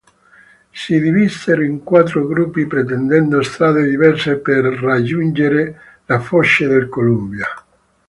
Si divisero in quattro gruppi prendendo strade diverse per raggiungere la foce del Columbia.